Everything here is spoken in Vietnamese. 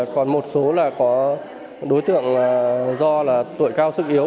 còn một số là có đối tượng do là tuổi cao sức yếu